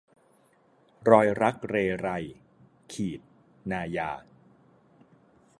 รอยรักเรไร - นายา